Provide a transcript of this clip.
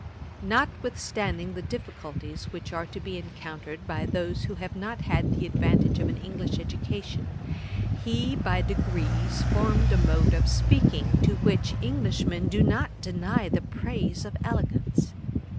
Notwithstanding the difficulties which are to be encountered by those who have not had the advantage of an English education, he by degrees formed a mode of speaking to which Englishmen do not deny the praise of elegance.